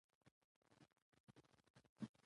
د مېلو پر وخت خلکو ته خواږه شيان او چای ورکول کېږي.